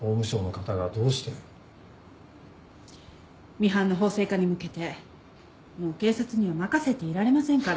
ミハンの法制化に向けてもう警察には任せていられませんから。